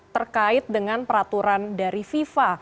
terkait dengan peraturan dari fifa